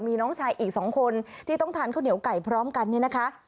มีน้องชายอีกสองคนที่ต้องทานข้าวเหนียวไก่พร้อมกันเนี่ยนะคะ